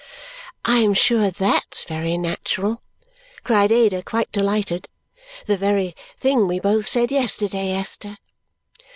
"I am sure THAT'S very natural!" cried Ada, quite delighted. "The very thing we both said yesterday, Esther!"